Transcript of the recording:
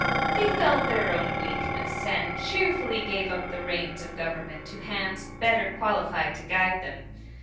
They felt their . own weakness, and cheerfully gave up the reins of government to hands better qualified to guide them.